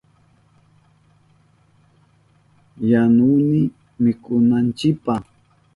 Yanuhuni mikunanchipa.